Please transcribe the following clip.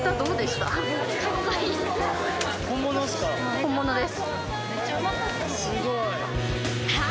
本物です